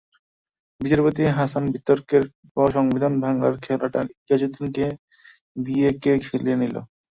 বিচারপতি হাসান বিতর্কের পরে সংবিধান ভাঙার খেলাটা ইয়াজউদ্দিনকে দিয়ে কে খেলিয়ে নিল?